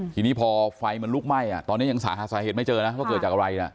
ทีนี้พอไฟมันลุกไหม้ตอนนี้ยังสาหาสาเหตุไม่เจอนะว่าเกิดจากอะไรนะ